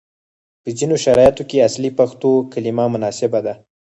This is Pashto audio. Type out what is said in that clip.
په ځینو شرایطو کې اصلي پښتو کلمه مناسبه ده،